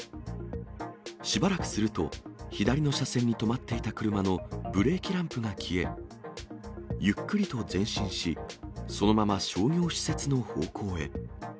しばらくすると、左の車線に止まっていた車のブレーキランプが消え、ゆっくりと前進し、そのまま商業施設の方向へ。